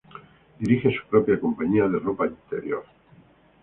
Dirige su propia compañía de ropa interior.